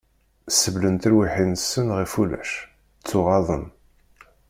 Sebblen tirwiḥin-nsen ɣef ulac... ttuɣaḍen!